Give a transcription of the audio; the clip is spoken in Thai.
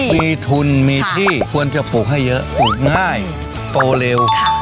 มีทุนมีที่ควรจะปลูกให้เยอะปลูกง่ายโตเร็ว